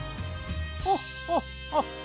ホッホッホッ！